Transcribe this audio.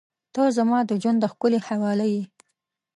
• ته زما د ژونده ښکلي حواله یې.